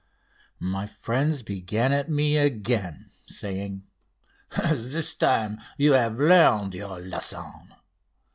My friends began at me again, saying: "This time you have learned your lesson.